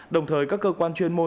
đồng thời các cơ quan chuyên môn